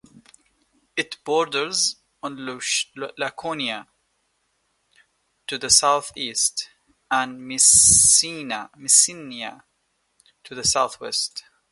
It borders on Laconia to the southeast, and Messenia to the southwest.